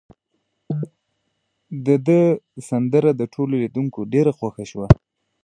د ده سندره د ټولو لیدونکو ډیره خوښه شوه.